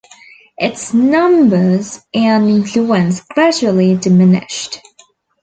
Its numbers and influence gradually diminished.